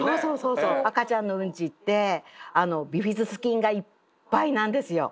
赤ちゃんのうんちってビフィズス菌がいっぱいなんですよ。